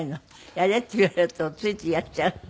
やれって言われるとついついやっちゃう？